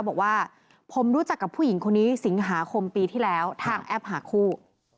บอกว่าผมรู้จักกับผู้หญิงคนนี้สิงหาคมปีที่แล้วทางแอปหาคู่